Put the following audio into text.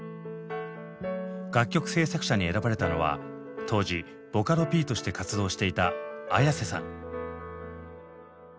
楽曲制作者に選ばれたのは当時ボカロＰとして活動していたＡｙａｓｅさん。